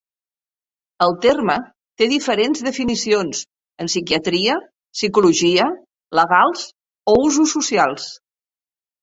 El terme té diferents definicions en psiquiatria, psicologia, legals o usos socials.